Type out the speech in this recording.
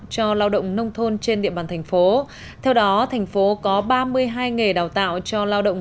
cho lao động nông thôn trên địa bàn thành phố theo đó thành phố có ba mươi hai nghề đào tạo cho lao động